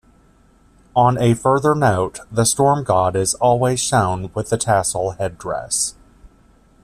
On a further note, the Storm God is always shown with the tassel headdress.